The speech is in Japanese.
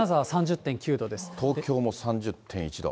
東京も３０．１度。